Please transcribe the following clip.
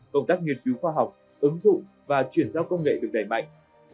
công tác nghiên cứu khoa học ứng dụng và chuyển giao công nghệ được đẩy mạnh